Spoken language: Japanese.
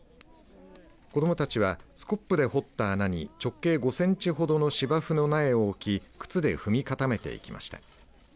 子どもたちはスコップで掘った穴に直径５センチほどの芝生の苗を置き靴で踏み固めていきました。